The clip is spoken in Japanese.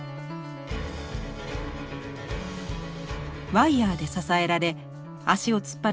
ワイヤーで支えられ足を突っ張る